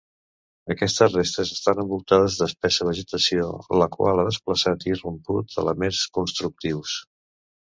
Aquestes restes estan envoltades d'espessa vegetació, la qual ha desplaçat i romput elements constructius.